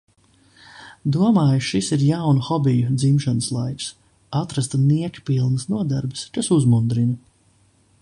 Domāju – šis ir jaunu hobiju dzimšanas laiks. Atrast niekpilnas nodarbes, kas uzmundrina.